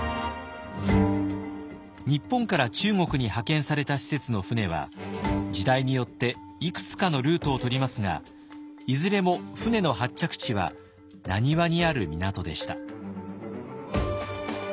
日本から中国に派遣された使節の船は時代によっていくつかのルートをとりますがいずれも船の発着地は難波にある港でした。